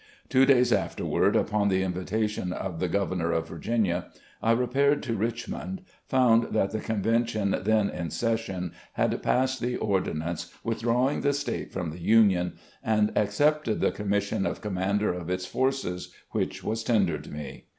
Two days afterward, upon the invi tation of the Governor of Virginia, I repaired to Rich mond; fotmd that the Convention then in session had passed the ordinance withdrawing the State from the Union; and accepted the commission of commander of its forces, which was tendered me.